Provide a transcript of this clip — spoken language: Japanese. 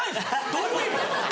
どういう意味？